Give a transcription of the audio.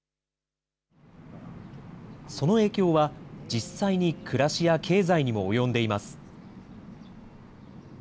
その影響は実際に暮らしや経済にも及んでいます。